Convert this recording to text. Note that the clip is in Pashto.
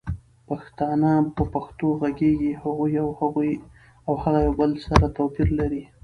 پښتانه په پښتو غږيږي هغوي او هغه يو بل سره توپير لري